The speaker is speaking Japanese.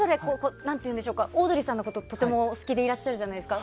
オードリーさんのこととてもお好きでいらっしゃるじゃないですか。